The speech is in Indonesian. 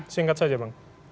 singkat saja bang